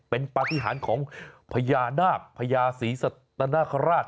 เป็นปฏิหารของพญานาคพญาศรีสัตนคราช